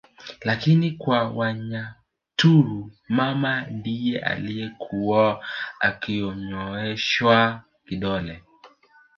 Lakini kwa Wanyaturu mama ndiye alikuwa akinyooshewa kidole